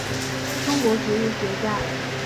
中国植物学家。